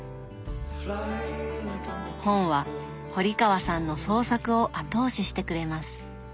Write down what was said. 本は堀川さんの創作を後押ししてくれます。